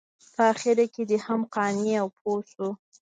په اخره کې دی هم قانع او پوه شو.